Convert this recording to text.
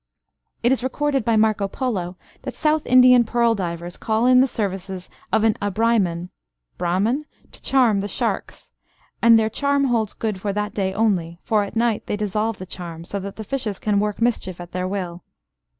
It is recorded by Marco Polo that South Indian pearl divers call in the services of an Abraiman (Brahman?) to charm the sharks. "And their charm holds good for that day only; for at night they dissolve the charm, so that the fishes can work mischief at their will."